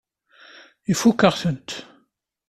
Ifakk-aɣ-tent.